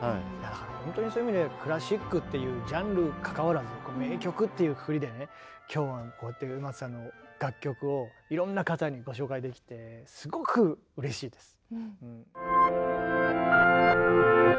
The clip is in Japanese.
だからほんとにそういう意味でクラシックっていうジャンルかかわらず名曲っていうくくりでね今日はこうやって植松さんの楽曲をいろんな方にご紹介できてすごくうれしいです。